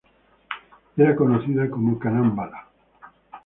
Ella era conocida como "Kanan Bala".